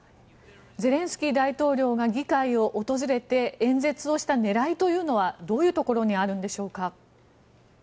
ゼレンスキー大統領が議会を訪れて演説をした狙いというのはどういうところにあるんでしょうか。